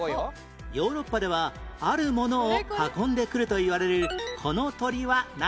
ヨーロッパではあるものを運んでくるといわれるこの鳥は何？